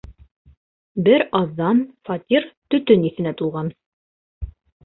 Бер аҙҙан фатир төтөн еҫенә тулған.